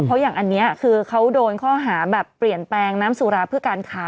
เพราะอย่างอันนี้คือเขาโดนข้อหาแบบเปลี่ยนแปลงน้ำสุราเพื่อการขาย